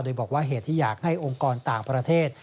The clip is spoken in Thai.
โดยบอกว่าเหตุที่อยากให้องค์กรต่างประเทศ